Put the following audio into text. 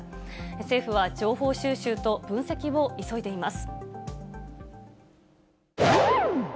政府は情報収集と分析を急いでいます。